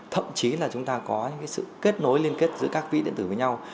thậm chí là chúng ta có những sự kết nối liên kết giữa các ví điện tử với nhau